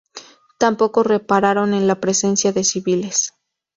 Tampoco repararon en la presencia de civiles.